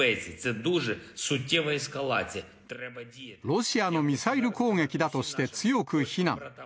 ロシアのミサイル攻撃だとして強く非難。